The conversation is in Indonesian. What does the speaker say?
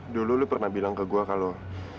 dulu lu pernah bilang ke gue kalau